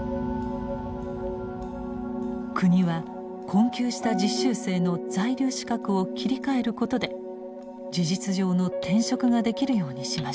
国は困窮した実習生の在留資格を切り替えることで事実上の転職ができるようにしました。